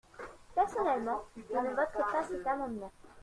Personnellement, je ne voterai pas cet amendements.